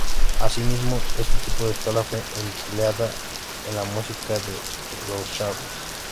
Asimismo, este tipo de escala fue empleada en la música de los Shawnee.